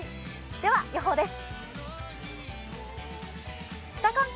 では予報です。